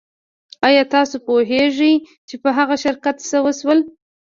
ایا تاسو پوهیږئ چې په هغه شرکت څه شول